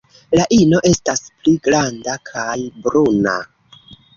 La ino estas pli granda kaj bruna.